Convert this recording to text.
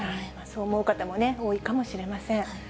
そう思う方も多いかもしれません。